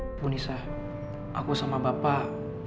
ibu nisa aku sama bapak